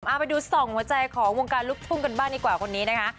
มาดู๒หัวใจของวงการลุกทุ่มกันบ้างดีกว่าคนนี้นะคะ